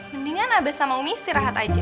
mendingan habis sama umi istirahat aja